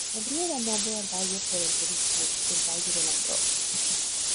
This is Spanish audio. El río da nombre al valle por el que discurre, el Valle del Ambroz.